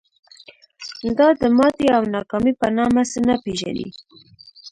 دا د ماتې او ناکامۍ په نامه څه نه پېژني.